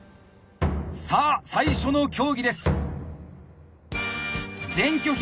さあ最初の競技です。